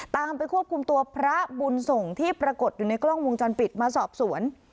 ไปควบคุมตัวพระบุญส่งที่ปรากฏอยู่ในกล้องวงจรปิดมาสอบสวน